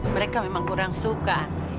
mereka memang kurang suka